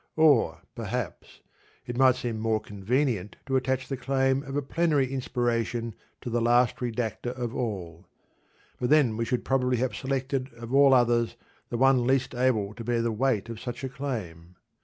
Or, perhaps, it might seem more convenient to attach the claim of a plenary inspiration to the last redactor of all; but then we should probably have selected of all others the one least able to bear the weight of such a claim.